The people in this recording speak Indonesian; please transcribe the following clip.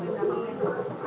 tapi kalau melihat kolanya